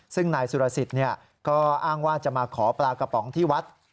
ซึ่งนายสุรสิทธิ์ก็อ้างว่าจะมาขอปลากระป๋องที่วัด